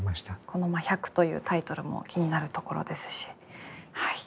この「百」というタイトルも気になるところですしはい。